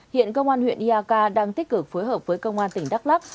hiện công an huyện iak đang tích cực phối hợp với công an tỉnh đắk lắc